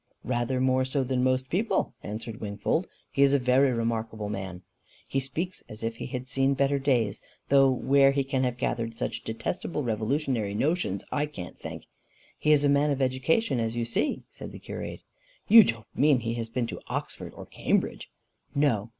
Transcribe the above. "Rather more so than most people," answered Wingfold. "He is a very remarkable man." "He speaks as if he had seen better days though where he can have gathered such detestable revolutionary notions, I can't think." "He is a man of education, as you see," said the curate. "You don't mean he has been to Oxford or Cambridge?" "No.